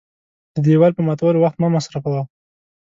د دېوال په ماتولو وخت مه مصرفوه .